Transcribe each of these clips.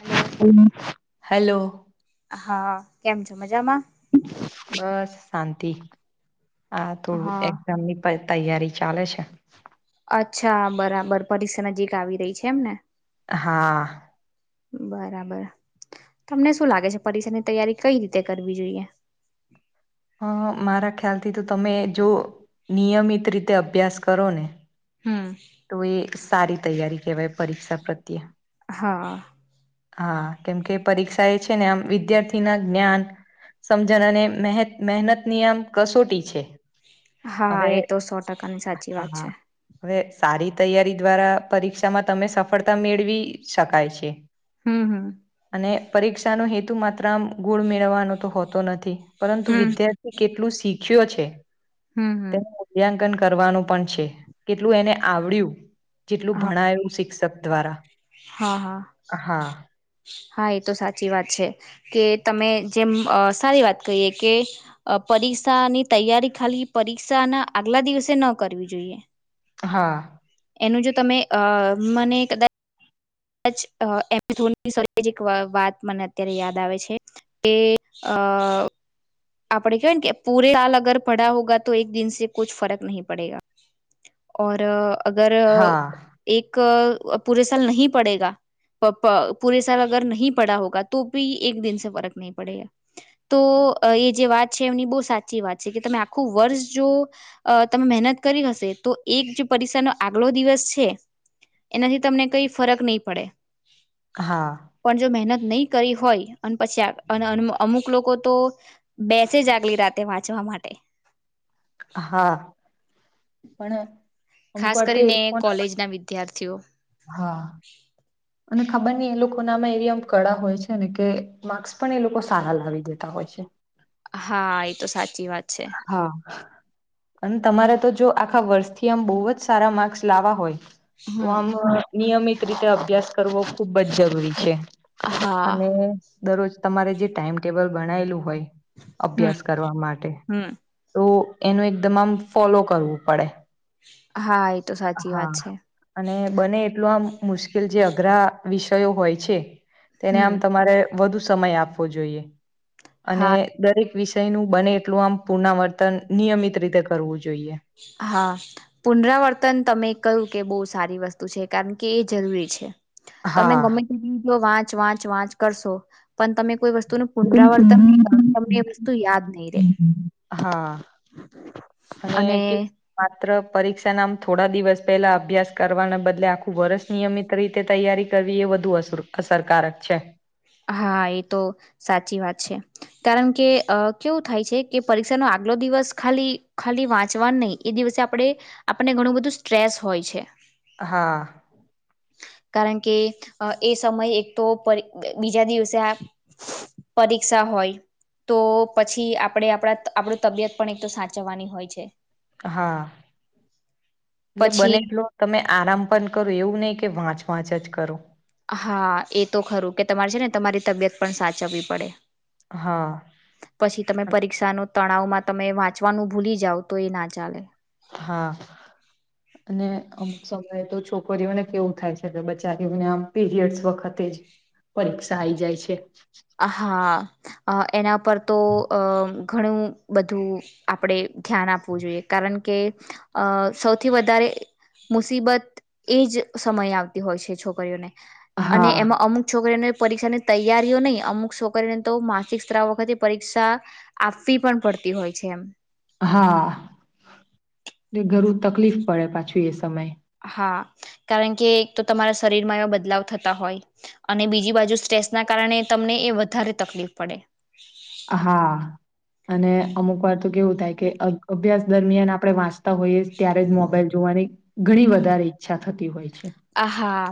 Hello hello. હા કેમ છો? મજામાં બસ શાંતિ આ થોડું હા એક્ઝામ ની તૈયારી ચાલે છે. અચ્છા બરાબર પરીક્ષા નજીક આવી રહી છે એમને. હા. બરાબર. તમને શું લાગે છે પરીક્ષા ની તૈયારી કઈ રીતે કરવી જોઈએ હા મારા ખ્યાલથી તો તમે જો નિયમિત રીતે અભ્યાસ કરો ને હમ તો એ સારી તૈયારી કેહેવાય પરીક્ષા પ્રત્યે. હા. હા કેમકે પરીક્ષા એ છે ને આમ વિદ્યાર્થી ના જ્ઞાન સમજણ અને મેં મહેનત ની આમ કસોટી છે. હા હવે એ તો સો ટકાની સાચી વાત હા છે. હવે સારી તૈયારી દ્વારા પરીક્ષામાં તમે સફળતા મેળવી શકાય છે. હમ હમ અને પરીક્ષાનો હેતુ માત્ર આમ ગુણ મેળવવાનો તો હોતો નથી. પરંતુ હમ વિદ્યાર્થી કેટલું શીખ્યો છે હમ હમ તેનું મૂલ્યાંકન કરવાનું પણ છે કેટલું એને આવડ્યું જેટલું હા ભણાયું શિક્ષક દ્વારા હા હા હા હા એ તો સાચી વાત છે. કે તમે જેમ સારી વાત કરીએ કે પરીક્ષાની તૈયારી ખાલી પરીક્ષા ના આગલા દિવસે ન કરવી જોઈએ. હા. એનું જો તમે અ મને કદાચ [unintelligible] વાત મને અત્યારે યાદ આવે છે કે અ અ આપડે કેવાય ને કે પૂરે હાલ અગર પડા હોગા તો એક દિનસે કુછ ફર્ક નહી પડેગા. ઓર અગર હા એક પૂરે સાલ નહીં પડેગા પપ પૂરે સાલ અગર નહીં પડા હોગા તો ભી એક દિનસે ફર્ક નહી પડેગા તો એ જે વાત છે એમની બહુ સાચી વાત છે કે તમે આખું વર્ષ જો અ તમે મહેનત કરી હશે તો એક જે પરીક્ષાનો આગલો દિવસ છે એનાથી તમને કઈ ફરક નહી પડે. હા પણ જો મહેનત નહી કરી હોય અને પછી આ અમુક ક લોકો તો બેસે જ આગલી રાતે વાંચવા માટે. હા પણ અમુક ખાસ વાર તો એ કરીને લોકો કોલેજ ના વિદ્યાર્થીઓ. હા અને ખબર ન એ લોક નામાં એરિયામ કળા હોય છે ને કે માર્ક્સ પણ એ લોકો સારા લાવી દેતા હોય છે. હા એ તો સાચી વાત છે. હા અને તમારે તો જો આખા વર્ષથી આમ બવ જ સારા માર્ક્સ લાવવા હોય તો હમ આમાં નિયમિત રીતે અભ્યાસ કરવો ખુબ જ જરૂરી છે. હા અને દરરોજ તમારે જે ટાઈમટેબલ બનાયલું હોય. હમ અભ્યાસ કરવા માટે. હમ તો એનું એકદમ આમ ફોલો કરવું પડે. હા એ તો સાચી હા વાત છે અને બને એટલું આમ. મુશ્કેલ જે અઘરા વિષયો હોય છે તેને આમ હમ તમારે વધુ સમય આપવો જોઈએ અને હા દરેક વિષય નું બને એટલું આમ પુનરાવર્તન નિયમિત રીતે કરવું. જોઈએ હા પુનરાવર્તન તમે કય કે બહુ સારી વસ્તુ છે કારણ કે એ જરૂરી છે. તમે હા ગમે તે જો વાંચ વાંચ વાંચ કરશો પણ તમે કોઈ વસ્તુ નું પુનરાવર્તન નહીં કરો તમને એ વસ્તુ યાદ નહી રે. હા. ને અને કે માત્ર પરીક્ષાના આમ થોડા દિવસ પહેલા અભ્યાસ કરવાના બદલે આ ખુ વર્ષ નિયમિત રીતે તૈયારી કરવી એ વધુ અસરું અસરકારક છે. હા એ તો સાચી વાત છે. કારણ કે અ કેવું થાય છે કે પરીક્ષા નો આગલો દિવસ ખાલી ખાલી વાંચવાનું નહી એ દિવ વસે આપડે આપને ઘણું બધું સ્ટ્રેસ હોય છે. હા. કારણ કે એ સમય એક તો બીજા દિવસે પરીક્ષા હોય તો પછી આપડે આપડા આપડુ તબિયત પણ એક તો સાચવવાની હોય છે. હા એટલે બને પછી એટલો તમે આરામ પણ કરો એવું નહી કે વાંચ વાંચ જ કરો. હા એ તો ખરું કે તમારે છે ને તમારી તબિયત પણ સાચવવી પડે. હા પછી તમે પરીક્ષ નો તણાવમાં તમે વાંચવાનું ભૂલી જાવ તો એ ના ચાલે. હા અને અમુક સમયે તો છોક કરીઓને કેવું થાય છે કે બચારીને આમ પીરિયડ્સ વખતે જ. પરીક્ષા આઈ જાય છે. હા. અ એના પર તો અ ઘણું બધું આપડે ધ્યાન આપવું જોઈએ કા કારણ કે અ સૌથી વધારે મુસીબત એ જ સમય આવતી હોય છે છોકરીઓને. અને હા એમાં અમુક છોકરીઓને પરીક્ષાની તૈયારીઓ નઈ. અમુક સો કરીને તો માસિક સ્ત્રાવ વખતે પરીક્ષા, આપવી પણ પડતી હોય છે. હા, એ ઘરું તકલીફ પડે પાછું એ સમય. હા કારણ કે એક તો તમારા શરીરમાં એવા બદલાવ થતા હોય, અને બીજી બાજુ સ્ટ્રેસના કારણે કારણે તમને એ વધારે તકલીફ પડે. હા, અને અમુક વાર તો કેવું થાય કે અભ્યાસ દરમિયાન આપણે વાસ્ હોઈએ ત્યારે જ મોબાઈલ જોવાની ઘણી વધારે ઈચ્છા થતી હોય છે. આ હા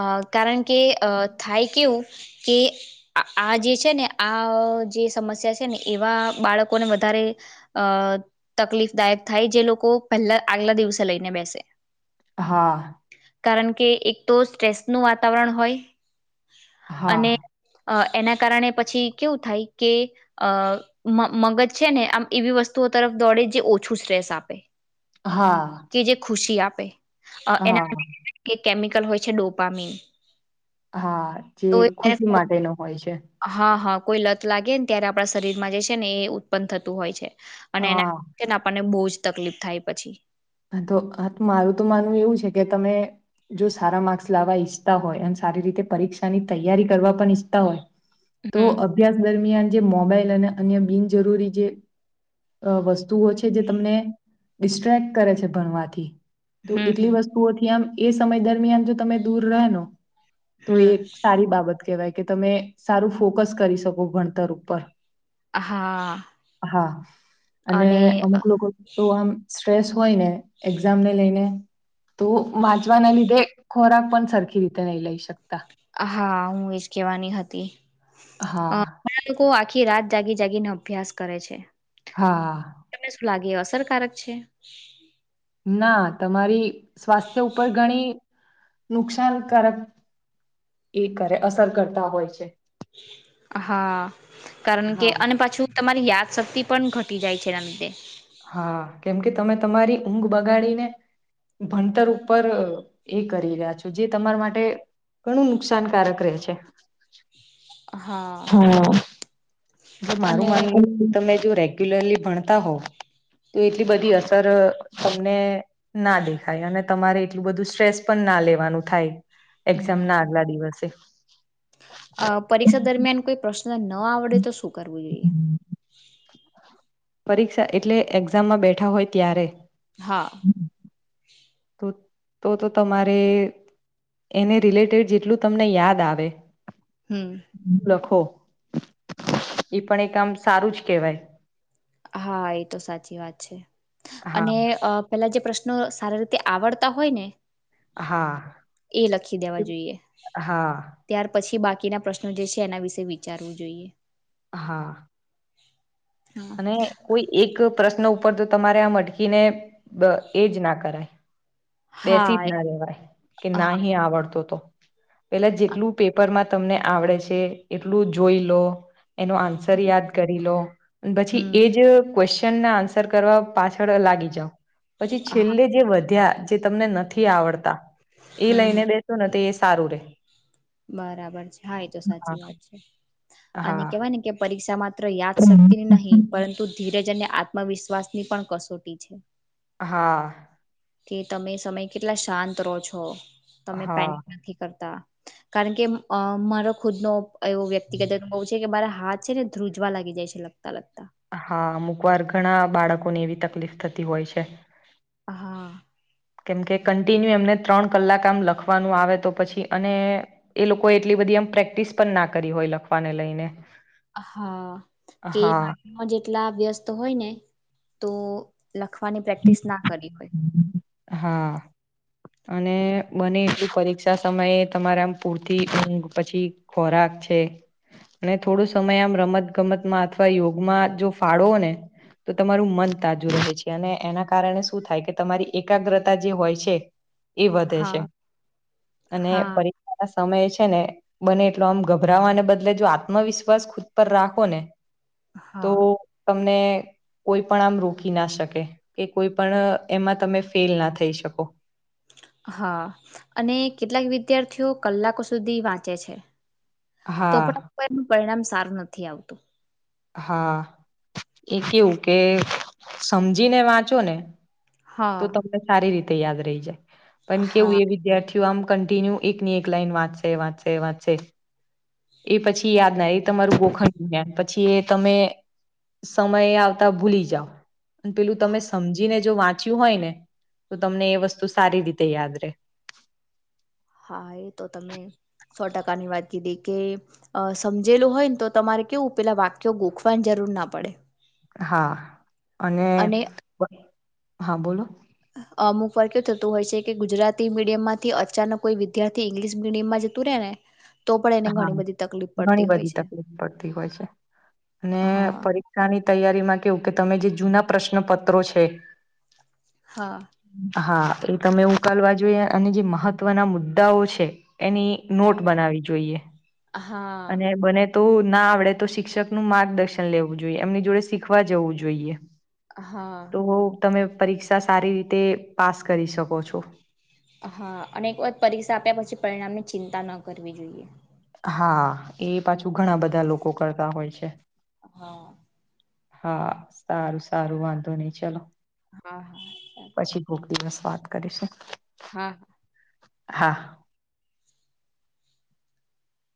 અ કારણ કે અ થાય કેવું કે આ જે છે ને આ જે સમસ્યા છે ને એવા બાળકોને વધારે તકલીફ દાયક થાય જે લોકો પહેલા આગલા દિવસે લઈને બેસે. હા. કારણ કે એક તો સ્ટ્રેસ નું વાતાવરણ હોય. હા. અને અ એના કારણે પછી કેવું થાય કે, અ મગજ છે ને આમ એવી વસ્તુઓ તરફ દોડે જે ઓછું સ્ટ્રેસ આપે, હા, કે જે ખુશી આપે હા. કે કેમિકલ હોય છે ડોપ મીન હા જે ખુશી માટે ન હોય છે. હા હા કોઈ લત લાગે ને ત્યારે આપણા શરીરમાં જે છે ને એ ઉત્પન્ન થતું હોય છે. અને હા, એના આપણને બહુ જ તકલીફ થાય પછી. હા તો આ મારું તો માનવું એવું છે કે તમે જો સારા માર્ક્સ લાવવા ઈચ્છતા હોય અને સારી રીતે પરીક્ષાની તૈયારી કરવા પણ ઈચ્છતા હોય. તો હમ અભ્યાસ દરમિયાન જે મોબાઈલ બિનજરૂરી વસ્તુઓ છે જે, તમને ડિસ્ટક કરે છે ભણવાથી, તો હમ એટલી હમ વસ્તુઓથી આમ એ સમય દરમિયાન જો તમે દૂર રહે ન. તો એ એક હમ સારી બાબત કેવાય. કે તમે સારું ફોકસ કરી શકો ભણતર ઉપર. હા હા, અને અમુક લોકો તો આમ સ્ટ્રેસ હોય ને એક્ઝામને લઈને. તો વાંચવાના લીધે ખોરાક પણ સરખી રીતે નઈ લઈ શકતા. હા હું એજ કેવાની હતી. અ, હા. ઘણા લોકો આખી રાત જાગી જાગીને અભ્યાસ કરે છે. હા. તમને શું લાગે એ અસરકારક છે. ના તમારી સ્વાસ્થ્ય ઉપર ઘણી નુકસાનકારક એ કરે અસર કરતા હોય છે. હા કારણ કે હા અને પાછું તમારી યાદશક્તિ પણ ઘટી જાય છે એના લીધે. હા કેમ કે તમે તમારી ઊંઘ બગાડીને ભણતર ઉપર એ કરી રહ્યા છો જે તમારા માટે ઘણું નુકસાનકારક રહેે છે. હા. જો મારું અને માનવું તમે જો રેગ્યુલરલી ભણતા હોવ. તો એટલી બધી અસર તમને ના દેખાય અને તમારે એટલું બધું સ્ટ્રેસ પણ પણ ના લેવાનું થાય, એક્ઝામ ના હમ આગલા દિવસે. અ પરીક્ષા દરમિયાન કોઈ પ્રશ્ન ન આવડે તો શું કરવું જોઈએ? પરીક્ષા એટલે એક્ઝામમાં બેઠા હોય ત્યારે? હા. તો તો તો તમારે એને રિલેટેડ જેટલું તમને યાદ આવે, હમ લખો. ઈ પણ એક આમ સારું જ કેવાય હા એ તો સાચી વાત છે હા અને પેલા જે પ્રશ્નો સારી રીતે આવડતા હોય ને હા એ લખી દેવા જોઈએ હા ત્યાર પછી બાકી બાકી ના પ્રશ્નો જે છે એના વિશે વિચારવું જોઈએ હા હમ કોઈ એક પ્રશ્ન ઉપર તો તમારે આમ અટકીને એજ ના કરાય બેસી જ હા એ- ના રેવાય કે હા નહી આવડતો તો પેલા જેટલું પેપરમાં તમને આવડે છે એટલું જોઈ લો એનો આન્સર હમ યાદ કરી લો પછી હમ, એજ [unintelligible] આન્સર કરવા પાછળ લાગી જાવ પછી હા છેલ્લે જે વધ્યા જે તમને નથી આવડતા એ હમ લઈને હમ. બેસો ને તો એ સારું રે બરાબર છે હા એ તો હા સાચી વાત છે અને હા કેવાય ને કે પરીક્ષામાં મા યાદશક્તિ નહીં પરંતુ ધીરજ અને આત્મવિશ્વાસ ની પણ કસોટી છે હા કે તમે એ સમય કેટલા શાંત રહો છો તમે હા પેનિક નથી કરતા કારણ કે અ મારો ખુદ નો એવો વ્યક્તિગત અનુભવ છે કે મારા હાથ છે ને ધ્રુજવા લાગી જાય છે લખતા હા અમુક વાર ઘણા બાળકોને એવી તકલીફ થતી હોય છે હા કેમકે કન્ટિન્યુ એમને ત્રણ કલાક આમ લખવાનું આવે તો પછી અને એ લોકો એટલી બધી એમ પ્રેક્ટિસ પણ ના કરી હોય લખવાને લઈને હા કે હા [unintelligible] જેટલા વ્યસ્ત હોય ને તો લખવાની પ્રેક્ટિસ ના કરી હોય હા અને બને એટલ પરીક્ષા સમયે તમારે આમ પૂરતી પછી ખોરાક છે અને થોડું સમય આમ રમત ગમતમાં અથવા યોગમાં જો ફાળોવો ને તો તમારું મન તાજું રહે છે અને એના કારણે શું થાય કે તમારી એકાગ્રતા જે હોય છે એ વધે છે હા અને હા પરીક્ષા સમય છે ને બને એટલો આમ ગભરાવાને બદલે જો આત્મવિશ્વાસ ખુદ પર રાખો ને તો હા તમને કોઈ પણ આમ રોકી ના શકે કે કોઈ પણ એમાં તમે ફેલ ના થઈ શકો હા અને કેટલાક વિદ્યાર્થીઓ કલાકો સુધી વાંચે છે તો હા પણ ઉપરનું પરિણામ સારું નથી આવતું હા એ કેવું કે સમજીને વાંચો ને હા તો તમને સારી રીતે યાદ રહી જાય પણ હા કેવું એ વિદ્યાર્થી જો આમ કન્ટિન્યુ એકની એક લાઈન વાંચશે વાંચશે વાંચશે એ પછી યાદ ના એ તમારું ગોખંડ ગયાન પછી એ તમે સમય આવતા ભૂલી જાવ અને પેલું તમે સમજીને જો વાંચ્યું હોય ને તો તમને એ વસ્તુ સારી રીતે યાદ રે હા એ તો તમે સો ટકાની વાત કીધી કે સમજેલું હોયને તો તમારે કેવું પેલા વાક્યો ગોખવાની જરૂર ના પડે હા અને હા બોલો અમુક વાર કેવું થતું હોય છે કે ગુજરાતી મીડિયમ માંથી અચાનક કોઈ વિદ્યાર્થી ઇંગ્લિશ મીડિયમ માં જતું રહેે ને તો પણ એને હા ઘણી બધી તકલીફ ઘણી પડતી હોય બધી છે તકલીફ પડતી હોય છે અને હા પરીક્ષાની તૈયારી કેવું કે તમે જે જૂના પ્રશ્ન પત્રો છે હા હા એ તમે ઉ કાલવા જોયે, અને જે મહત્વના મુદ્દાઓ છે. એની નોટ બનાવી જોઈએ. હા. અને બને તો ના આવડે તો શિક્ષકનું માર્ગદર્શન લેવું જોઈએ એમની જોડે શીખવા જવું જોઈએ. હા તો તમે પરીક્ષા સારી રીતે પાસ કરી શકો છો. હા અને એક વાર પરીક્ષા આપ્યા પછી પરિણામની ચિંતા ન કરવી જોઈએ. હા એ પાછી ઘણા બધા લોકો કરતા હોય છે. હા હા સારું સારું વાંધો નહી ચલો. હા હા. પછી કોક દિવસ વાત કરીશું. હા હા. હા.